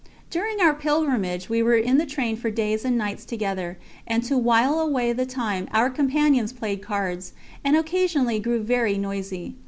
During our pilgrimage we were in the train for days and nights together, and to wile away the time our companions played cards, and occasionally grew very noisy.